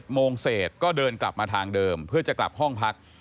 โมงเสร็จก็เดินกลับมาทางเดิมเพื่อจะกลับห้องพัก